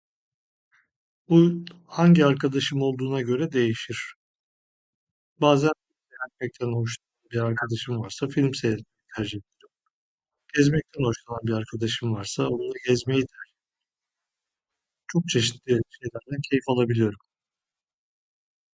Bu, hangi arkadaşım olduğuna göre değişir. Bazen dinlenmekten hoşlanan bir arkadaşım varsa film seyretmeyi tercih ederim. Gezmekten hoşlanan bir arkadaşım varsa onunla gezmeyi tercih ederim. Çok çeşitli şeylerden keyif alabiliyorum.